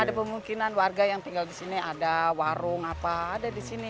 ada kemungkinan warga yang tinggal di sini ada warung apa ada di sini